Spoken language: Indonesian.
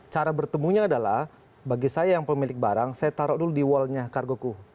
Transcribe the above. cara bertemunya adalah bagi saya yang pemilik barang saya taruh dulu di wallnya kargoku